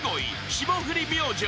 霜降り明星］